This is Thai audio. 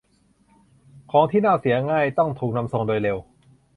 ของที่เน่าเสียง่ายต้องถูกนำส่งโดยเร็ว